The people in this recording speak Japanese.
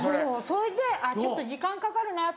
それでちょっと時間かかるなと思って。